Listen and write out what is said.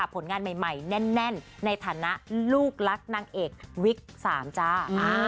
ผลงานใหม่แน่นในฐานะลูกรักนางเอกวิก๓จ้า